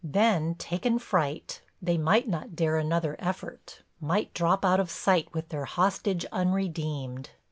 Then taken fright, they might not dare another effort, might drop out of sight with their hostage unredeemed.